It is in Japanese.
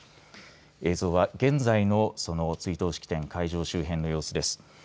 映像は現在のその追悼式典会場周辺の様子です。